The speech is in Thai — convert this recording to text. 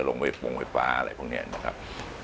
โรงไฟฟ้าอะไรพวกนี้นะครับ